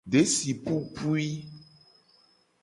Desi pupui.